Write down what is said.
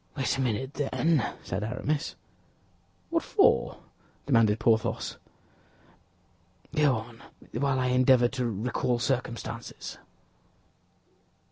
"Wait a minute, then," said Aramis. "What for?" demanded Porthos. "Go on, while I endeavor to recall circumstances."